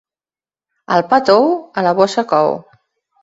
El pa tou a la bossa cou.